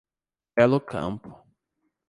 Belo Campo